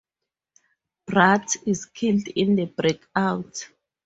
Bratt is killed in the breakout.